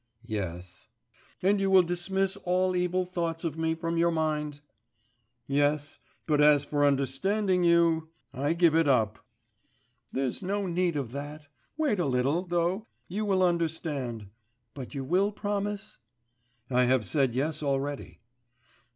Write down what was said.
'Yes.' 'And you will dismiss all evil thoughts of me from your mind.' 'Yes ... but as for understanding you I give it up.' 'There's no need of that ... wait a little, though, you will understand. But you will promise?' 'I have said yes already.